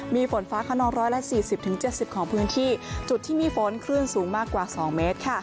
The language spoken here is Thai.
มีฝนฟ้าขนอง๑๔๐๗๐ของพื้นที่จุดที่มีฝนคลื่นสูงมากกว่า๒เมตร